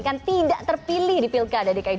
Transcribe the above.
gak bisa dipilih di pilkada dki dua ribu tujuh belas